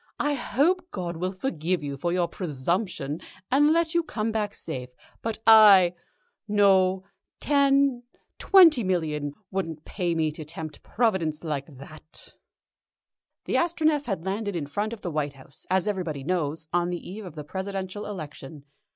I hope God will forgive you for your presumption, and let you come back safe, but I No. Ten twenty millions wouldn't pay me to tempt Providence like that." The Astronef had landed in front of the White House, as everybody knows, on the eve of the Presidential election.